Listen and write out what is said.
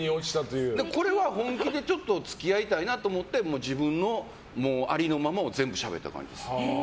これは本気で付き合いたいなと思って自分のありのままを全部しゃべった感じです。